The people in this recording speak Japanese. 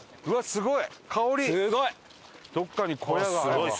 すごい！